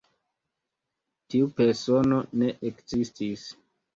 Tiu persono ne ekzistis.